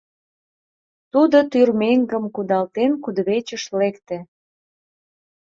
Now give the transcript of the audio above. Тудо, тӱрмеҥгым кудалтен, кудывечыш лекте.